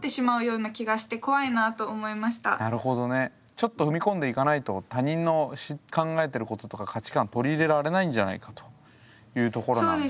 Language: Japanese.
ちょっと踏み込んでいかないと他人の考えてることとか価値観取り入れられないんじゃないかというところなんですね。